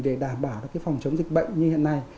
để đảm bảo phòng chống dịch bệnh như hiện nay